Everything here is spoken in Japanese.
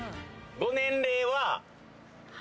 ご年齢は？